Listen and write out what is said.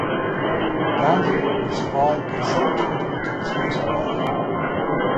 Garnsey was survived by seven children to his first wife.